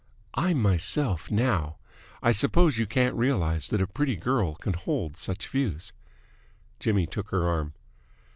"I'm myself now. I suppose you can't realise that a pretty girl can hold such views." Jimmy took her arm.